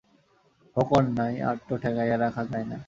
হোক অন্যায়, আর তো ঠেকাইয়া রাখা যায় না।